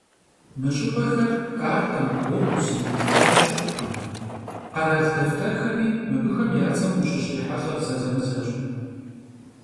Мы щӏыпӏэхэр картэм, глобусым итхауэ щыткъым, къэрал дэфтэрхэми мыбыхэм я цӀэм ущыщрихьэлӀэр зэзэмызэщ.